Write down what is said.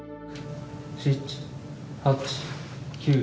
７、８、９。